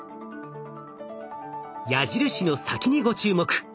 矢印の先にご注目。